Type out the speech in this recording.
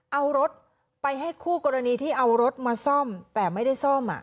เอารถไปให้คู่กรณีที่เอารถมาซ่อมแต่ไม่ได้ซ่อม